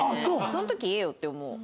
その時言えよって思う。